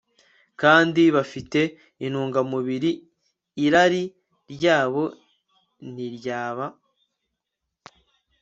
kandi bifite intungamubiri irari ryabo ntiryaba